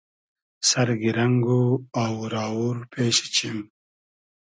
سئر گیرنئگ و آوور آوور پېشی چیم